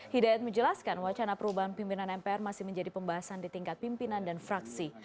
hidayat menjelaskan wacana perubahan pimpinan mpr masih menjadi pembahasan di tingkat pimpinan dan fraksi